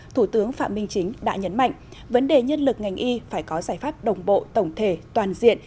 thủ tướng phạm minh chính đã nhấn mạnh vấn đề nhân lực ngành y phải có giải pháp đồng bộ tổng thể toàn diện